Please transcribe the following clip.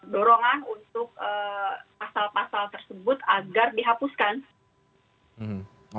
dorongan untuk pasal pasal tersebut agar dihapuskan